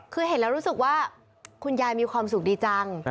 คือเห็นแล้วรู้สึกว่าคุณยายมีความสุขดีจัง